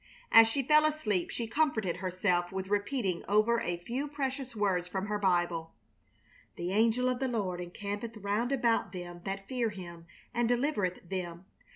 As she fell asleep she comforted herself with repeating over a few precious words from her Bible: "The angel of the Lord encampeth round about them that fear Him and delivereth them.